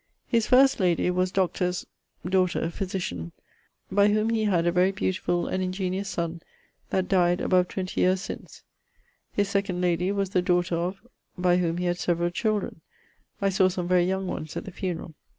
His first lady was Dr. ...'s daughter, physitian, ... by whom he had a very beautifull and ingeniose son that dyed above 20 yeares since. His 2d lady was the daughter of ... by whom he had severall children: I sawe some very young ones at the funerall.